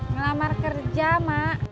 ngelamar kerja mak